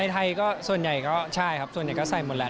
ไทยก็ส่วนใหญ่ก็ใช่ครับส่วนใหญ่ก็ใส่หมดแหละ